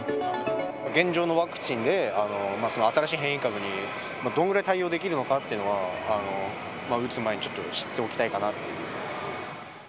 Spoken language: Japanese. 現状のワクチンで新しい変異株にどのぐらい対応できるのかというのは、打つ前にちょっと知っておきたいかなっていう。